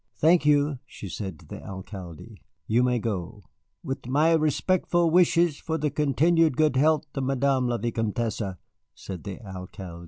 Thank you," she said to the Alcalde; "you may go." "With my respectful wishes for the continued good health of Madame la Vicomtesse," said the Alcalde.